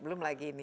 belum lagi ini